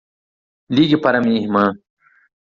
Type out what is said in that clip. Ligue para a minha irmã.